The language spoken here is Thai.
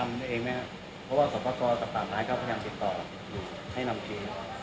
เพราะว่าศพกรกับต่างน้ายเขาพยายามติดต่อให้นำชี้